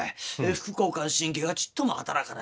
副交感神経がちっとも働かないよ。